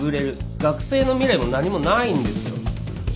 学生の未来も何もないんですよ。